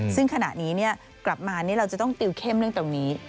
ซึ่งขณะนี้กลับมาเราจะต้องติวเข้มเรื่องตรงนี้